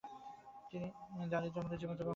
তিনি দারিদ্র্যের মধ্যে জীবনযাপন করছিলেন।